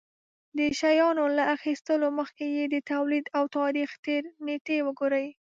د شيانو له اخيستلو مخکې يې د توليد او تاريختېر نېټې وگورئ.